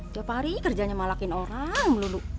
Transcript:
tiap hari kerjanya malakin orang melulu